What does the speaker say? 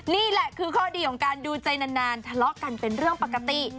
นี่แหละคือข้อดีของการดูใจนานทะเลาะกันเป็นเรื่องปกติ